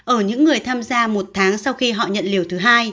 ở những người tham gia một tháng sau khi họ nhận liều thứ hai